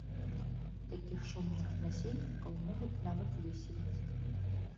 Такіх шумных насельнікаў могуць нават выселіць.